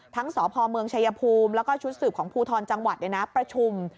สพเมืองชายภูมิแล้วก็ชุดสืบของภูทรจังหวัดประชุม